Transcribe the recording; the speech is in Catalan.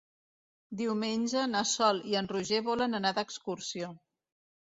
Diumenge na Sol i en Roger volen anar d'excursió.